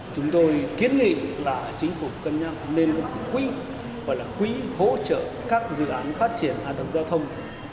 chúng tôi kiến nghị là chính phủ cân nhắc nên có quý hoặc là quý hỗ trợ các dự án phát triển an tâm giao thông